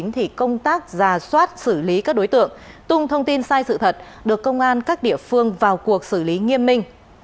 thì công tác giả soát xử lý các đối tượng tung thông tin sai sự thật được công an các địa phương vào cuộc xử lý nghiêm minh